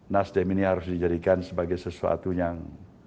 nasdem ini harus dijadikan sebagai sesuatu yang